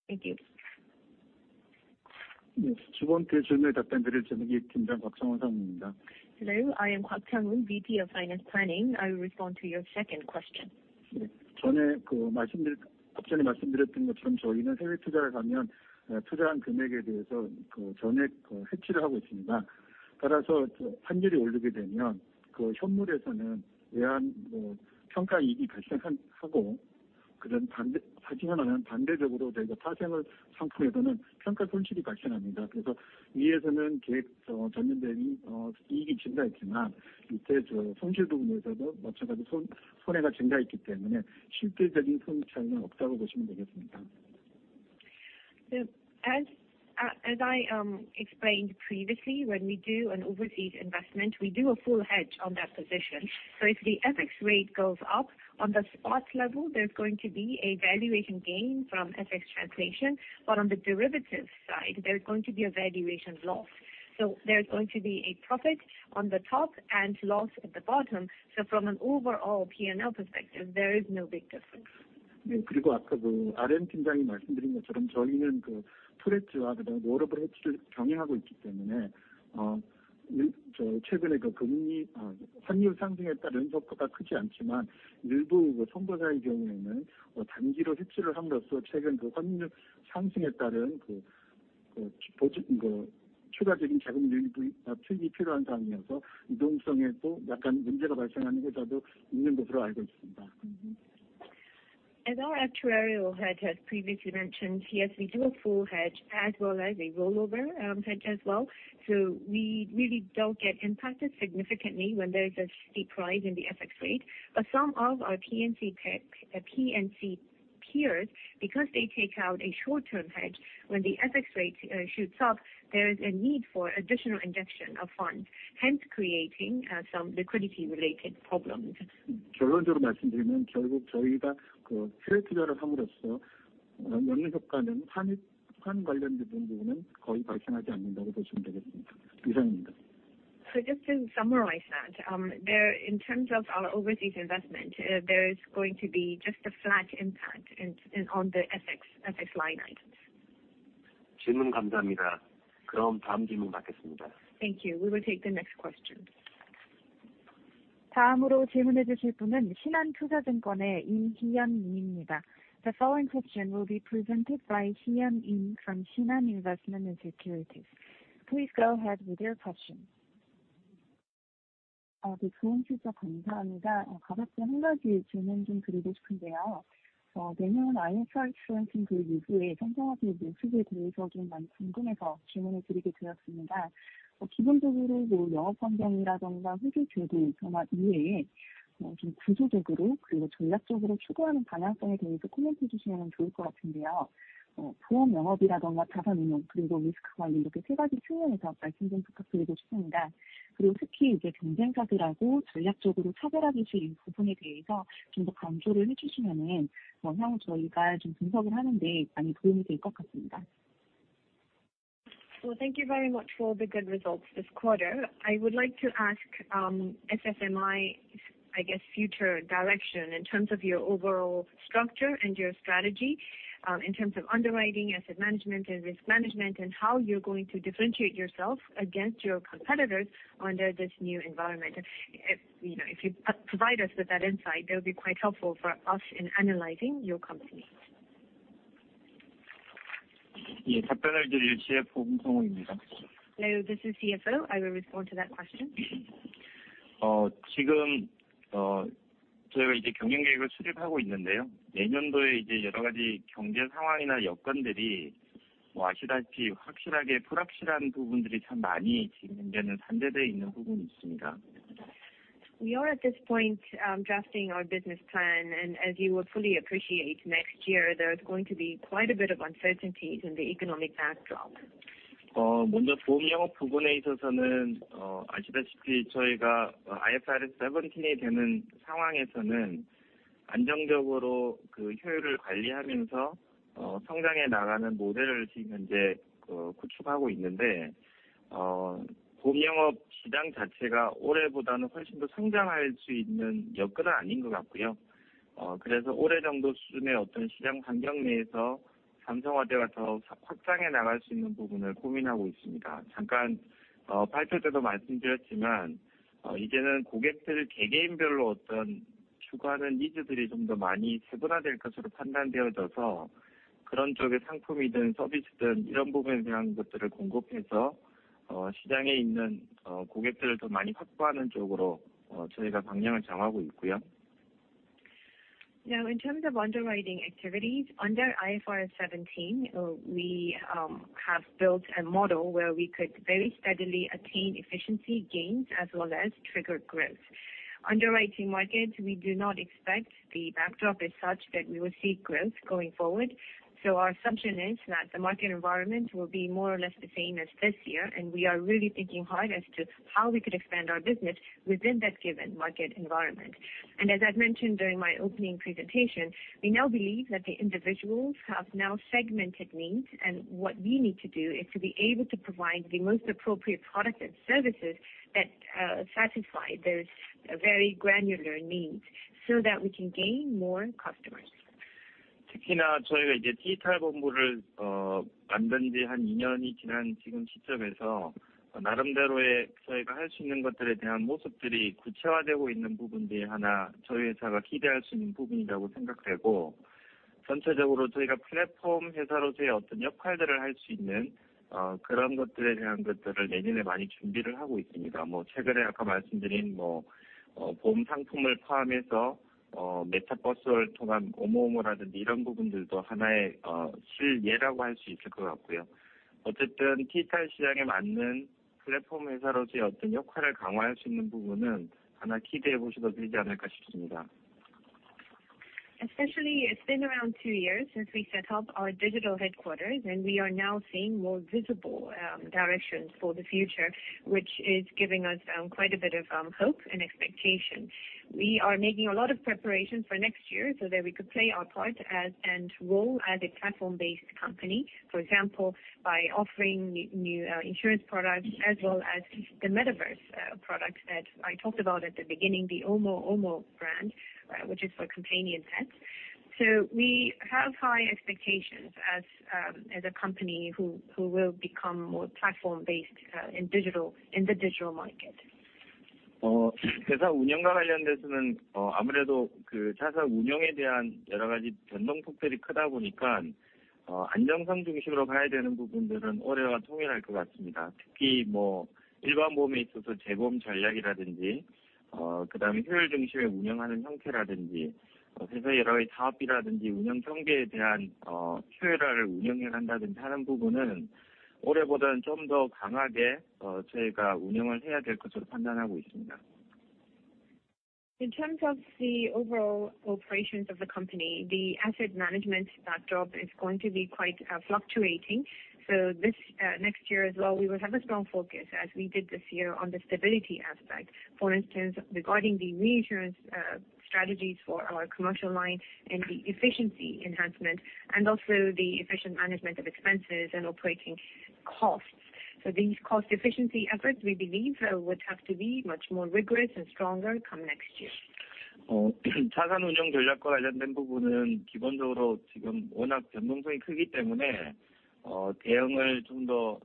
Thank you. 네, 두 번째 질문에 답변드릴 재무팀 팀장 박상훈 상무입니다. Hello, I am Park Sang Hoon, VP of Finance Planning. I will respond to your second question. 앞전에 말씀드렸던 것처럼 저희는 해외 투자를 하면 투자한 금액에 대해서 전액 헷지를 하고 있습니다. 따라서 환율이 오르게 되면 현물에서는 외환 평가 이익이 발생하고, 반대로 저희가 파생상품에서는 평가 손실이 발생합니다. 그래서 전년 대비 이익이 증가했지만 손실 부분에서도 마찬가지로 손해가 증가했기 때문에 실질적인 손익 차이는 없다고 보시면 되겠습니다. As I explained previously, when we do an overseas investment, we do a full hedge on that position. If the FX rate goes up on the spot level, there's going to be a valuation gain from FX translation. On the derivatives side, there's going to be a valuation loss. There's going to be a profit on the top and loss at the bottom. From an overall P&L perspective, there is no big difference. 아까 RM 팀장이 말씀드린 것처럼 저희는 full hedge와 rollover hedge를 병행하고 있기 때문에, 최근 환율 상승에 따른 효과가 크지 않지만, 일부 손보사의 경우에는 단기로 헷지를 함으로써 최근 환율 상승에 따른 추가적인 자금 투입이 필요한 상황이어서 유동성에 약간 문제가 발생하는 회사도 있는 것으로 알고 있습니다. As our actuarial head has previously mentioned, yes, we do a full hedge as well as a rollover hedge as well. We really don't get impacted significantly when there is a steep rise in the FX rate. Some of our P&C peers, because they take out a short-term hedge when the FX rate shoots up, there is a need for additional injection of funds, hence creating some liquidity-related problems. 결론적으로 말씀드리면 결국 저희가 full hedge 투자를 함으로써 연계 효과는 환율, 환 관련되는 부분은 거의 발생하지 않는다고 보시면 되겠습니다. 이상입니다. Just to summarize that, in terms of our overseas investment, there is going to be just a flat impact on the FX line items. 질문 감사합니다. 그럼 다음 질문 받겠습니다. Thank you. We will take the next question. 다음으로 질문해 주실 분은 신한투자증권의 임희연입니다. The following question will be presented by Lim Hee-yeon from Shinhan Investment & Securities. Please go ahead with your question. 네. 좋은 질의 감사합니다. 내년 IFRS 17그 이후에 성장하실 모습에 대해서 좀 많이 궁금해서 질문을 드리게 되었습니다. 기본적으로 뭐 영업 환경이라든가 회계 기준 변화 이외에, 좀 구조적으로 그리고 전략적으로 추구하는 방향성에 대해서 코멘트해 주시면 좋을 것 같은데요. 보험 영업이라든가 자산 운용 그리고 리스크 관리 이렇게 세 가지 측면에서 말씀 좀 부탁드리고 싶습니다. 그리고 특히 이제 경쟁사들하고 전략적으로 차별화되실 이 부분에 대해서 좀더 강조를 해주시면은 뭐 향후 저희가 좀 분석을 하는 데 많이 도움이 될것 같습니다. Thank you very much for the good results this quarter. I would like to ask, SFMI, I guess, future direction in terms of your overall structure and your strategy, in terms of underwriting, asset management and risk management, and how you're going to differentiate yourself against your competitors under this new environment. If, you know, if you provide us with that insight, that would be quite helpful for us in analyzing your company. 예, 답변을 드릴 CFO 홍성우입니다. Hello, this is CFO. I will respond to that question. 저희가 이제 경영 계획을 수립하고 있는데요. 내년도에 이제 여러 가지 경제 상황이나 여건들이 아시다시피 확실하게 불확실한 부분들이 참 많이 현재는 산재되어 있는 부분이 있습니다. We are at this point, drafting our business plan, and as you will fully appreciate, next year, there's going to be quite a bit of uncertainties in the economic backdrop. 보험 영업 부문에 있어서는, 아시다시피 저희가 IFRS 17이 되는 상황에서는 안정적으로 그 효율을 관리하면서 성장해 나가는 모델을 지금 현재 구축하고 있는데, 보험 영업 시장 자체가 올해보다는 훨씬 더 성장할 수 있는 여건은 아닌 것 같고요. 그래서 올해 정도 수준의 어떤 시장 환경 내에서 삼성화재가 더 확장해 나갈 수 있는 부분을 고민하고 있습니다. 발표 때도 말씀드렸지만, 이제는 고객들 개개인별로 어떤 추구하는 니즈들이 좀더 많이 세분화될 것으로 판단되어져서 그런 쪽의 상품이든 서비스든 이런 부분에 대한 것들을 공급해서, 시장에 있는 고객들을 더 많이 확보하는 쪽으로 저희가 방향을 정하고 있고요. Now, in terms of underwriting activities, under IFRS 17, we have built a model where we could very steadily attain efficiency gains as well as trigger growth. Underwriting markets, we do not expect the backdrop as such that we will see growth going forward. Our assumption is that the market environment will be more or less the same as this year, and we are really thinking hard as to how we could expand our business within that given market environment. I've mentioned during my opening presentation, we now believe that the individuals have now segmented needs. What we need to do is to be able to provide the most appropriate products and services that satisfy those very granular needs so that we can gain more customers. 특히나 저희가 이제 디지털 본부를 만든 지한 2년이 지난 지금 시점에서 나름대로의 저희가 할수 있는 것들에 대한 모습들이 구체화되고 있는 부분들이 하나 저희 회사가 기대할 수 있는 부분이라고 생각되고, 전체적으로 저희가 플랫폼 회사로서의 어떤 역할들을 할수 있는 그런 것들에 대한 것들을 내년에 많이 준비를 하고 있습니다. 최근에 아까 말씀드린 보험 상품을 포함해서 메타버스를 통한 O모O모라든지 이런 부분들도 하나의 실예라고 할수 있을 것 같고요. 어쨌든 디지털 시장에 맞는 플랫폼 회사로서의 어떤 역할을 강화할 수 있는 부분은 하나 기대해 보셔도 되지 않을까 싶습니다. Especially, it's been around two years since we set up our digital headquarters, and we are now seeing more visible directions for the future, which is giving us quite a bit of hope and expectation. We are making a lot of preparations for next year so that we could play our part and role as a platform-based company, for example, by offering new insurance products as well as the metaverse products that I talked about at the beginning, the Omo Omo brand, which is for companion pets. We have high expectations as a company who will become more platform-based in digital, in the digital market. 회사 운영과 관련돼서는, 자산 운용에 대한 여러 가지 변동폭들이 크다 보니까, 안정성 중심으로 가야 되는 부분들은 올해와 통일할 것 같습니다. 특히 일반 보험에 있어서 재보험 전략이라든지, 그다음에 효율 중심의 운영하는 형태라든지, 회사의 여러 가지 사업비라든지 운영 경비에 대한 효율화를 운영을 한다든지 하는 부분은 올해보다는 좀더 강하게 저희가 운영을 해야 될 것으로 판단하고 있습니다. In terms of the overall operations of the company, the asset management backdrop is going to be quite fluctuating. This next year as well, we will have a strong focus, as we did this year, on the stability aspect, for instance, regarding the reinsurance strategies for our commercial line and the efficiency enhancement, and also the efficient management of expenses and operating costs. These cost efficiency efforts, we believe, would have to be much more rigorous and stronger come next year. 자산운용 전략과 관련된 부분은 기본적으로 지금 워낙 변동성이 크기 때문에 대응을 좀더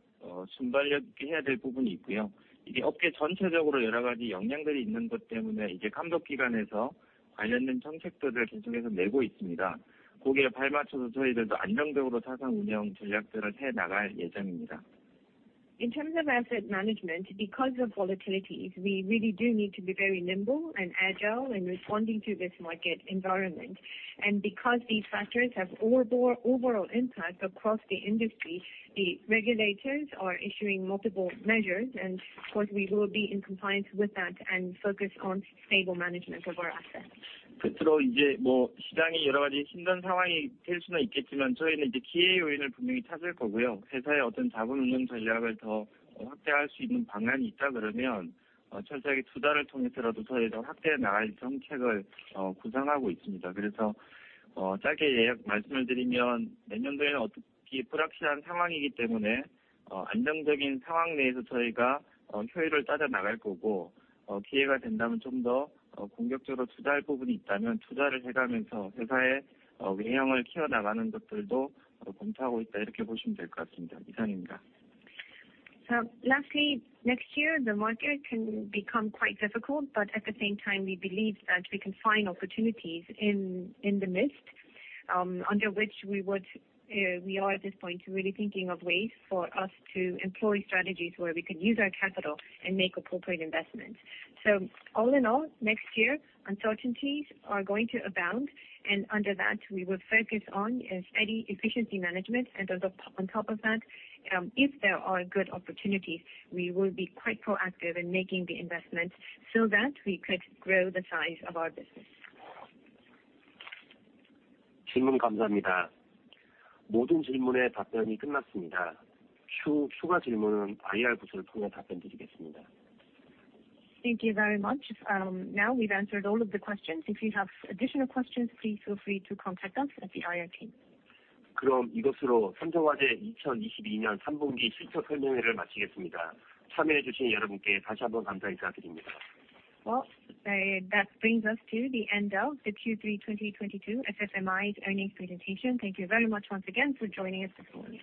순발력 있게 해야 될 부분이 있고요. 이게 업계 전체적으로 여러 가지 영향들이 있는 것 때문에 이제 감독기관에서 관련된 정책들을 계속해서 내고 있습니다. 거기에 발맞춰서 저희들도 안정적으로 자산운용 전략들을 해 나갈 예정입니다. In terms of asset management, because of volatilities, we really do need to be very nimble and agile in responding to this market environment. Because these factors have overall impact across the industry, the regulators are issuing multiple measures. Of course, we will be in compliance with that and focus on stable management of our assets. Lastly, next year, the market can become quite difficult, but at the same time, we believe that we can find opportunities in the midst, we are at this point really thinking of ways for us to employ strategies where we can use our capital and make appropriate investments. All in all, next year, uncertainties are going to abound, and under that, we will focus on a steady efficiency management. On top of that, if there are good opportunities, we will be quite proactive in making the investments so that we could grow the size of our business. Thank you very much. Now we've answered all of the questions. If you have additional questions, please feel free to contact us at the IR team. Well, that brings us to the end of the Q3 2022 SFMI earnings presentation. Thank you very much once again for joining us this morning.